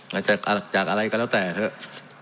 มาจากอะไรก็แล้วแต่เถอะ